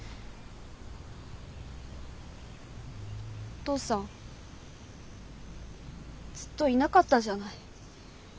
お父さんずっといなかったじゃない。